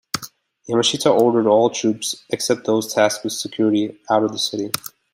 Yamashita ordered all troops, except those tasked with security, out of the city.